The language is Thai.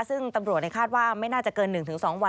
ซึ่งตำรวจคาดว่าไม่น่าจะเกิน๑๒วัน